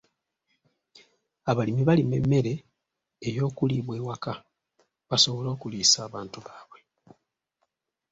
Abalimi balima emmere ey'okuliibwa ewaka basobole okuliisa abantu baabwe.